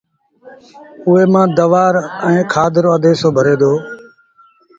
اُئي مآݩ کآڌ ائيٚݩ دوآ رو اڌ هسو ڀري دو